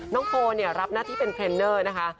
น้องโพลรับหน้าที่เป็นเทรนเนอร์นะคะ